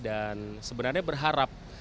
dan sebenarnya berharap